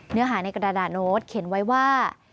เนื้อหาในกระดาษโน้ตเขียนไว้ว่า